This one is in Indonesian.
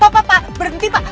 pak berhenti pak